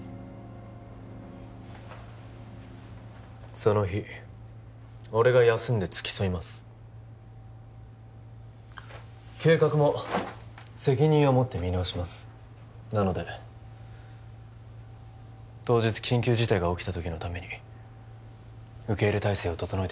その日俺が休んで付き添います計画も責任を持って見直しますなので当日緊急事態が起きた時のために受け入れ態勢を整えてください